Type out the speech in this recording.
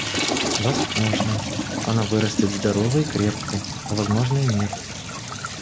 Возможно, она вырастет здоровой и крепкой, а возможно, и нет.